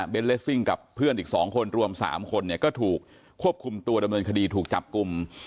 เลสซิ่งกับเพื่อนอีก๒คนรวม๓คนเนี่ยก็ถูกควบคุมตัวดำเนินคดีถูกจับกลุ่ม